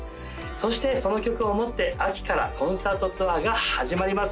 そしてその曲を持って秋からコンサートツアーが始まります